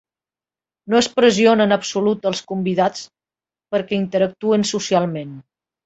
No es pressiona en absolut els convidats perquè interactuïn socialment.